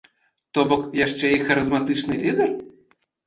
То бок, яшчэ і харызматычны лідар?